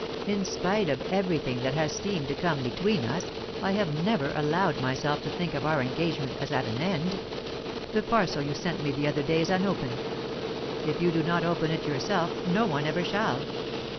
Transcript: In spite of everything that has seemed to come between us, I have never allowed myself to think of our engagement as at an end. The parcel you sent me the other day is unopened; if you do not open it yourself no one ever shall.